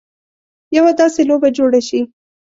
یوه داسې لوبه جوړه شي.